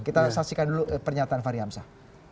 kita saksikan dulu pernyataan fahri hamzah